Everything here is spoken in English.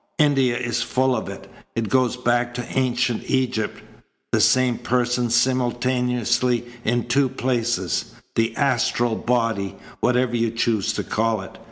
India is full of it. It goes back to ancient Egypt the same person simultaneously in two places the astral body whatever you choose to call it.